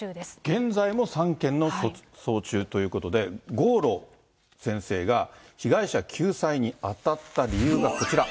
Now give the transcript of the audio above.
現在も３件の訴訟中ということで、郷路先生が被害者救済に当たった理由がこちら。